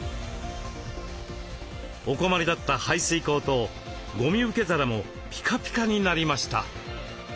お困りだった排水口とごみ受け皿もピカピカになりました。